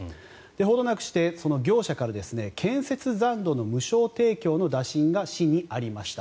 ほどなくして業者から建設残土の無償提供の打診が市にありました。